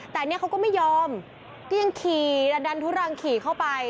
แต่เนี่ยเขาก็ไม่ยอมก็ยังขี่และดันทุรังขี่เข้าไป